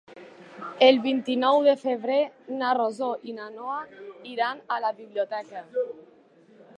El vint-i-nou de febrer na Rosó i na Noa iran a la biblioteca.